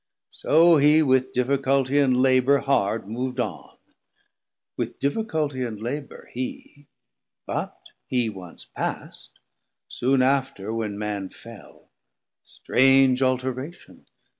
1020 So he with difficulty and labour hard Mov'd on, with difficulty and labour hee; But hee once past, soon after when man fell, Strange alteration!